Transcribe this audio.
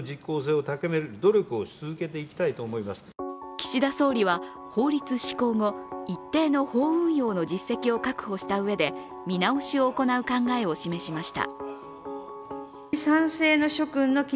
岸田総理は法律施行後、一定の法運用の実績を確保したうえで見直しを行う考えを示しました。